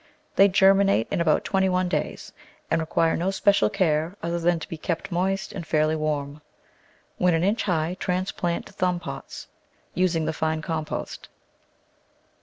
They germinate in about twenty one days, and require no especial care other than to be kept moist and fairly warm. When an inch high transplant to thumb pots, using the fine compost.